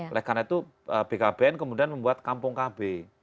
oleh karena itu bkbn kemudian membuat kampung kb